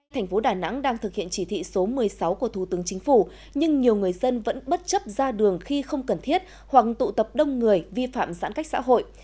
thành phố đà nẵng đang thực hiện chỉ thị số một mươi sáu của thủ tướng chính phủ nhưng nhiều người dân vẫn bất chấp ra đường khi không cần thiết hoặc tụ tập đông người vi phạm giãn cách xã hội